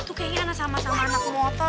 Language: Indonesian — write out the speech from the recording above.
itu kayaknya anak sama sama anak motor